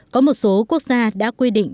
có một số quốc gia đã quy định